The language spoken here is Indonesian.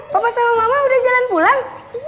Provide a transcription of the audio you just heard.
papa sama mama udah jalan pulang